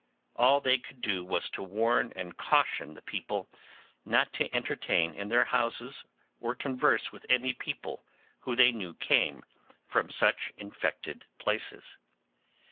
All they could do was to warn and caution the people not to entertain in their houses or converse with any people who they knew came from such infected places.